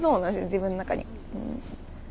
自分の中に。